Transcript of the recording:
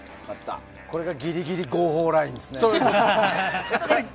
これがギリギリ合法ラインですね。